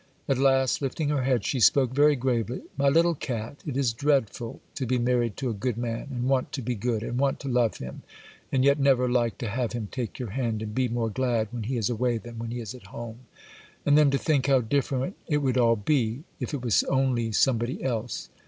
At last, lifting her head, she spoke very gravely,— 'My little cat! it is dreadful to be married to a good man, and want to be good, and want to love him, and yet never like to have him take your hand, and be more glad when he is away than when he is at home; and then to think how different it would all be, if it was only somebody else.